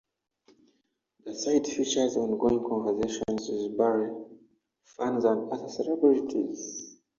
The site features ongoing conversations with Barry, fans and other celebrities.